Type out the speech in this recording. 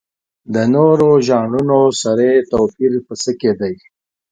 د نورو ژانرونو سره یې توپیر په څه کې دی؟